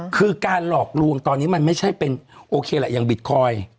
คือการหลอกลวงตอนนี้มันไม่ใช่เป็นโอเคแหละอย่างบิตคอยน์